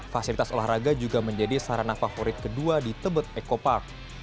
fasilitas olahraga juga menjadi sarana favorit kedua di tebet eco park